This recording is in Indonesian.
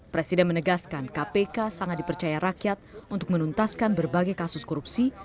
presiden menegaskan kpk sangat dipercaya rakyat untuk menuntaskan berbagai kasus korupsi